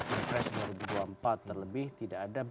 pilpres dua ribu dua puluh empat terlebih tidak ada